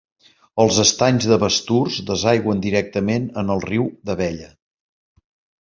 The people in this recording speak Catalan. Els Estanys de Basturs desaigüen directament en el riu d'Abella.